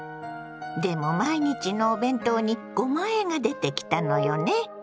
でも毎日のお弁当にごまあえが出てきたのよね。